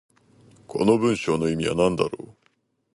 この文章の意味は何だろう。